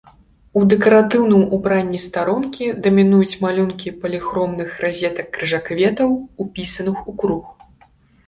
У дэкаратыўным убранні старонкі дамінуюць малюнкі паліхромных разетак-крыжакветаў, упісаных у круг.